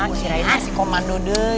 kusirain masih komando deh